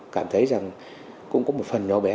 cảm thấy rằng cũng có một phần nhỏ bé